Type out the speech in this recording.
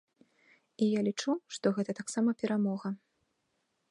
І я лічу, што гэта таксама перамога.